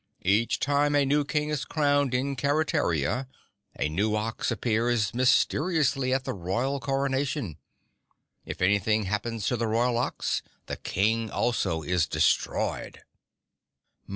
Each time a new King is crowned in Keretaria a new Ox appears mysteriously at the Royal coronation. If anything happens to the Royal Ox the King also is destroyed!"